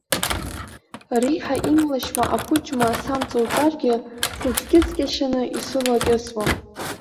Реиҳа имлашьуа ақәыџьма самҵоуҵаргьы, сыҵкьыҵкьашьаны исылакьысуам!